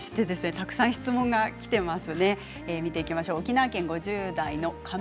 たくさん質問がきています。